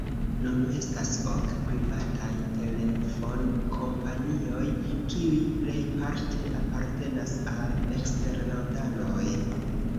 Nun estas ok privataj telefonkompanioj, kiuj plejparte apartenas al eksterlandanoj.